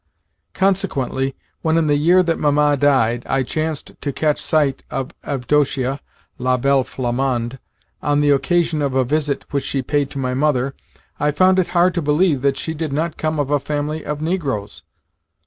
Consequently, when, in the year that Mamma died, I chanced to catch sight of Avdotia ("La Belle Flamande") on the occasion of a visit which she paid to my mother, I found it hard to believe that she did not come of a family of negroes.